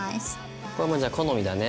これもうじゃあ好みだね。